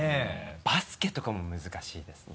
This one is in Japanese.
バスケとかも難しいですね。